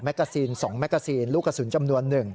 กาซีน๒แกซีนลูกกระสุนจำนวน๑